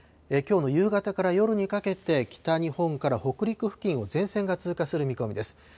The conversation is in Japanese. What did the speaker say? きょうの夕方から夜にかけて、北日本から北陸付近を前線が通過する見込みです。